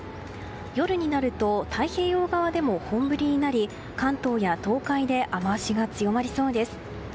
夜になると、太平洋側でも本降りになり関東や東海で雨脚が強まりそうです。